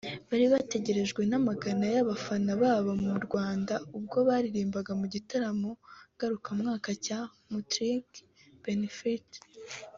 bari bategerejwe n’amagana y’abafana babo mu Rwanda ubwo baririmbaga mu gitaramo ngarukamwaka cya Mützig Beer Fest